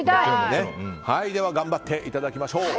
では、頑張っていただきましょう。